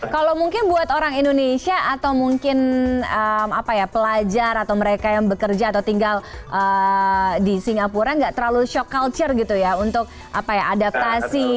kalau mungkin buat orang indonesia atau mungkin pelajar atau mereka yang bekerja atau tinggal di singapura nggak terlalu shock culture gitu ya untuk adaptasi